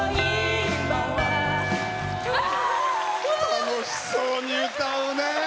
楽しそうに歌うね。